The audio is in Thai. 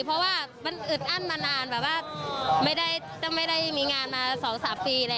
เพราะว่ามันอึดอั้นมานานแบบว่าไม่ได้ไม่ได้มีงานมา๒๓ปีแล้วอย่างนี้ค่ะ